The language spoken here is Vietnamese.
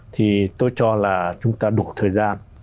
thì tôi cho là chúng ta đủ thời gian